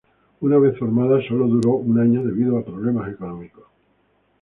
Una vez formada, solo duró un año debido a problemas económicos.